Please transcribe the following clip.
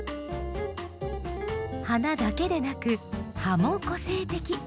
花だけでなく葉も個性的。